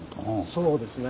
そうですね。